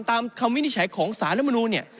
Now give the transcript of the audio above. ตามความวินิจฉัยของสารรัฐมนุนเนี่ย